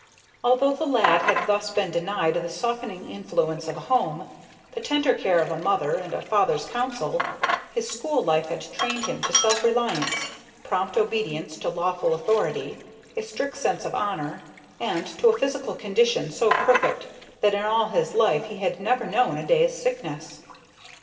Although the lad had thus been denied the softening influence of a home, the tender care of a mother, and a father's counsel, his school life had trained him to self reliance, prompt obedience to lawful authority, a strict sense of honor, and to a physical condition so perfect that in all his life he had never known a day's sickness.